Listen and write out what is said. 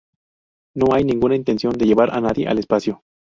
No hay ninguna intención de llevar a nadie al espacio.